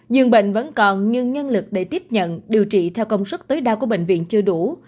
dường bệnh vẫn còn nhưng nhân lực để tiếp nhận điều trị theo công suất tối đa của bệnh viện chưa đủ